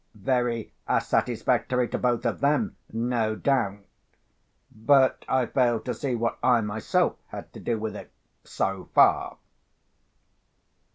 Very satisfactory to both of them, no doubt. But I failed to see what I myself had to do with it, so far.